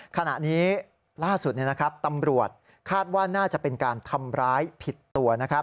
ขณะนี้ล่าสุดตำรวจคาดว่าน่าจะเป็นการทำร้ายผิดตัว